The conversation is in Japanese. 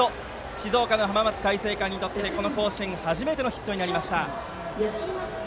静岡の浜松開誠館にとってこの甲子園で初めてのヒットになりました。